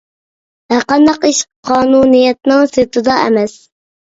ھەر قانداق ئىش قانۇنىيەتنىڭ سىرتىدا ئەمەس.